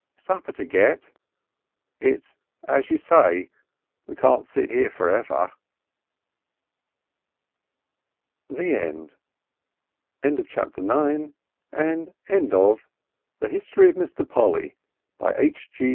"Supper to get. It's as you say, we can't sit here for ever." The End End of the Project Gutenberg EBook of The History of Mr. Polly, by H. G.